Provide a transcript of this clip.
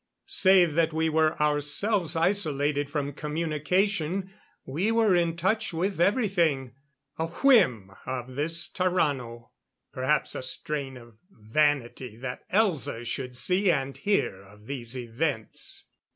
Save that we were ourselves isolated from communication, we were in touch with everything. A whim of this Tarrano; perhaps a strain of vanity that Elza should see and hear of these events.